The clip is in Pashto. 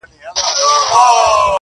زه او ته به څنگه ښکار په شراکت کړو٫